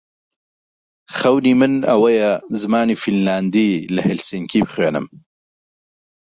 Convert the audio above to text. خەونی من ئەوەیە زمانی فینلاندی لە هێلسینکی بخوێنم.